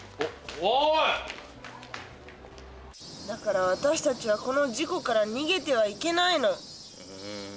だから私たちはこの事故から逃げてはいけないの。